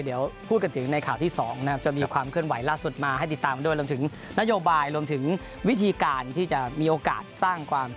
เดี๋ยวพูดกันถึงในข่าวที่สองจะมีความเคลื่อนไหวล่ะสุดมาให้ติดตามวิธีโปรตังค์